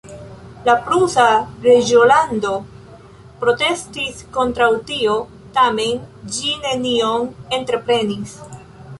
La prusa reĝolando protestis kontraŭ tio, tamen ĝi nenion entreprenis.